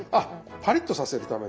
パリッとさせるため。